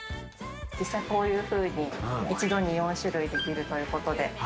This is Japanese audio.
実際こういうふうに、一度に４種類、作るということで。